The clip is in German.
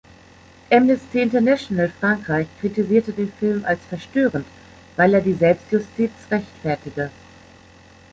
Amnesty International Frankreich kritisierte den Film als „verstörend“, weil er die Selbstjustiz rechtfertige.